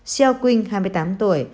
xiaoqing hai mươi tám tuổi